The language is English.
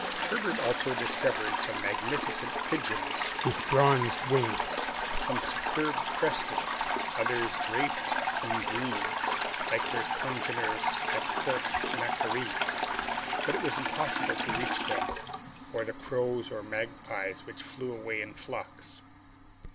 Herbert also discovered some magnificent pigeons with bronzed wings, some superbly crested, others draped in green, like their congeners at Port Macquarie; but it was impossible to reach them, or the crows and magpies which flew away in flocks.